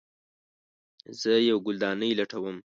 زه یوه ګلدانۍ لټوم